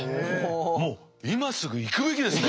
もう今すぐ行くべきですね。